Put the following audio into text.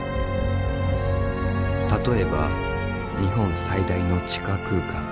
例えば日本最大の地下空間。